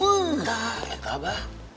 bentar kata apa